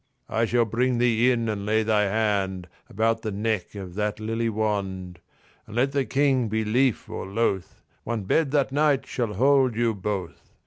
I shall bring thee in and lay thine hand About the neck of that lily wand. And let the King be lief or loth One bed that night shall hold you both."